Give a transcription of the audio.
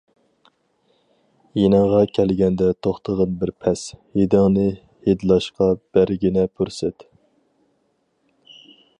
يېنىڭغا كەلگەندە توختىغىن بىر پەس، ھىدىڭنى ھىدلاشقا بەرگىنە پۇرسەت.